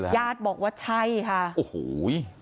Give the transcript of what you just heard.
ญาติบอกว่าใช่ค่ะโอ้โห